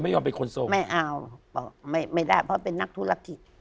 บอกอย่างนี้อายเข้า